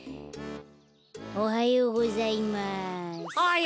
おはようございます。